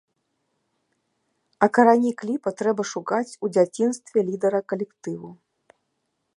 А карані кліпа трэба шукаць у дзяцінстве лідара калектыву.